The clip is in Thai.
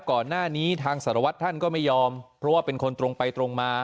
ก่อนหน้านี้ทางสารวัตรท่านก็ไม่ยอมเพราะว่าเป็นคนตรงไปตรงมา